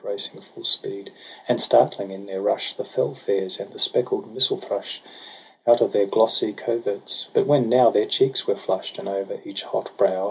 Racing full speed, and startling in their rush The fell fares and the speckled missel thrush Out of their glossy coverts; — but when now Their cheeks were flush'd, and over each hot brow.